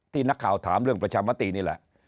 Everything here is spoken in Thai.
นักข่าวถามเรื่องประชามตินี่แหละ